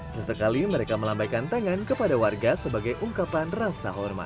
sesekali mereka melambaikan tangan kepada warga sebagai ungkapan rasa hormat